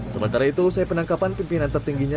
sementara itu usai penangkapan pimpinan tertingginya